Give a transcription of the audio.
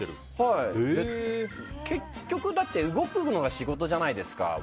結局動くのが仕事じゃないですか。